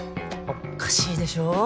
おっかしいでしょ。